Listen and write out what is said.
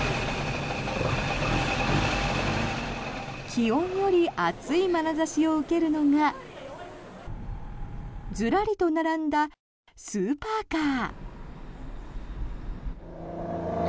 気温より熱いまなざしを受けるのがずらりと並んだスーパーカー。